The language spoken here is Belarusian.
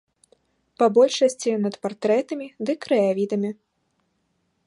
Па большасці над партрэтамі ды краявідамі.